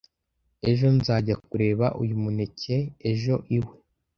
ejo nzajya kureba uyu mukene ejo iwe